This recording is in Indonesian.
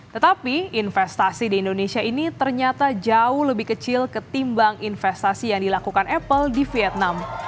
tetapi investasi di indonesia ini ternyata jauh lebih kecil ketimbang investasi yang dilakukan apple di vietnam